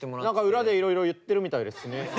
何か裏でいろいろ言ってるみたいですね。